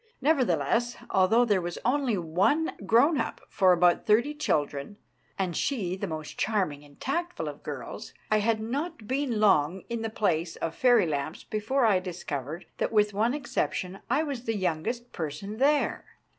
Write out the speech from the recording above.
Nevertheless, although there was only one grown up for about thirty children, and she the most charming and tactful of girls, I had not been long in the place of fairy lamps before I discovered that with one exception I was the youngest person there.